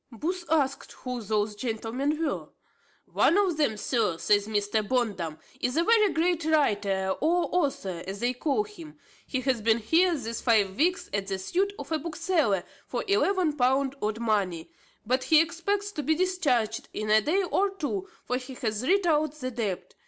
Booth asked who those gentlemen were. "One of them, sir," says Mr. Bondum, "is a very great writer or author, as they call him; he hath been here these five weeks at the suit of a bookseller for eleven pound odd money; but he expects to be discharged in a day or two, for he hath writ out the debt.